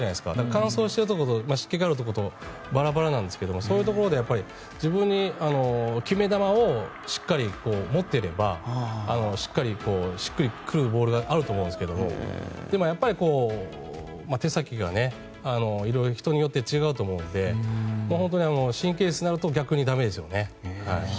乾燥しているところと湿気があるところとバラバラなんですけどそういうところで自分の決め球をしっかり持っていればしっくり来るボールがあると思うんですけどでも、やっぱり手先が人によって違うと思うので本当に神経質になると逆に駄目ですよね。